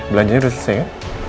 belanjanya udah selesai ya